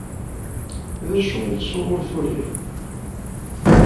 D acu ay ttuɣ ur t-uriɣ?